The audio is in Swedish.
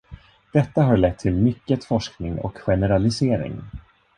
Detta har lett till mycket forskning och generalisering.